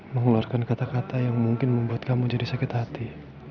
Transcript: mengeluarkan kata kata yang mungkin membuat kamu jadi sakit hati